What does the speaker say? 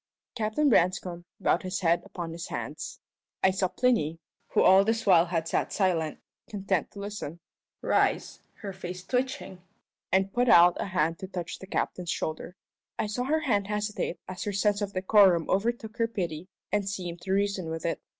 Captain Branscome bowed his head upon his hands. I saw Plinny who all this while had sat silent, content to listen rise, her face twitching, and put out a hand to touch the captain's shoulder. I saw her hand hesitate as her sense of decorum overtook her pity and seemed to reason with it.